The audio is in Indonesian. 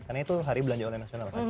karena itu hari belanja online nasional